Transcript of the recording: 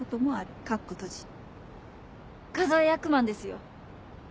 数え役満ですよ。